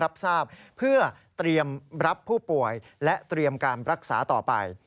รับทราบเพื่อเตรียมรับผู้ป่วยและเตรียมการรักษาต่อไป